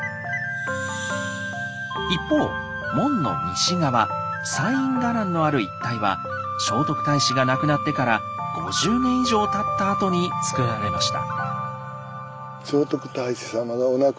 一方門の西側西院伽藍のある一帯は聖徳太子が亡くなってから５０年以上たったあとにつくられました。